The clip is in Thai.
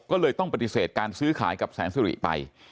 ก็เลยต้องปฏิเสธการซื้อขายกับแสงสุริไป